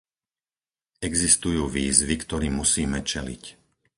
Existujú výzvy, ktorým musíme čeliť.